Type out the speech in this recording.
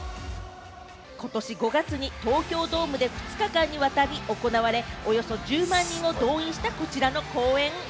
ことし５月に東京ドームで２日間にわたり行われ、およそ１０万人を動員したこちらの公演。